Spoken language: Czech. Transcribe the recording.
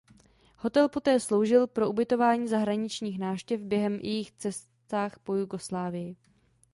Hotel poté sloužil pro ubytování zahraničních návštěv během jejich cestách po Jugoslávii.